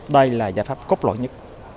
đây là gia pháp cốc lỗi nhất